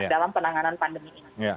dalam penanganan pandemi ini